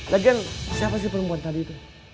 lagian siapa sih perempuan tadi itu